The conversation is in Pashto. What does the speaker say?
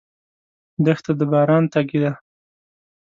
دښته د باران تږې ده.